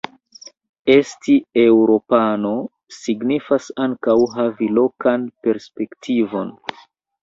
Esti eŭropano signifas ankaŭ havi lokan perspektivon".